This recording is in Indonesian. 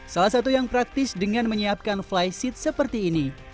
salah satu yang praktis dengan menyiapkan fly seat seperti ini